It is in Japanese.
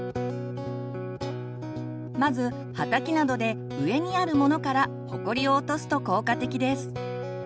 まずハタキなどで上にあるものからほこりを落とすと効果的です。